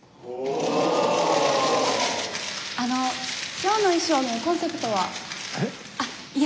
あの今日の衣装のコンセプトは？え？